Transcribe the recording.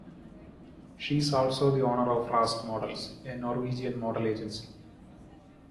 She is also the owner of Rask Models, a Norwegian model agency.